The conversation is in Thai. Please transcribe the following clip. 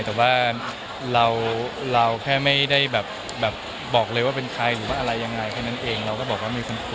แต่ว่าเราแค่ไม่ได้แบบบอกเลยว่าเป็นใครหรือว่าอะไรยังไงแค่นั้นเองเราก็บอกว่ามีคนคุย